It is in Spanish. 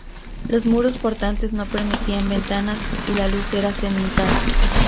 Los muros portantes no permitían ventanas, y la luz era cenital.